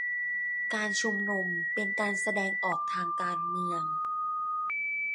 การชุมนุมเป็นการแสดงออกทางการเมือง